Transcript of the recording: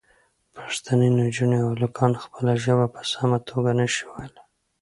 پښتنې نجونې او هلکان خپله ژبه په سمه توګه نه شي ویلی.